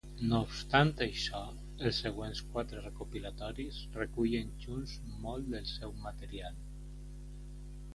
No obstant això, els següents quatre recopilatoris recullen junts molt del seu material.